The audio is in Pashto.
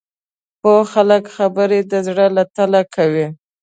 پوه خلک خبرې د زړه له تله کوي